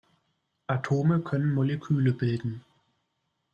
Atome können Moleküle bilden.